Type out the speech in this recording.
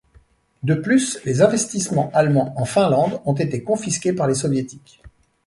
De plus, les investissements allemands en Finlande ont été confisqués par les Soviétiques.